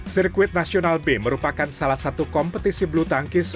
circuit national bay merupakan salah satu kompetisi bulu tangkis